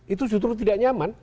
itu justru tidak nyaman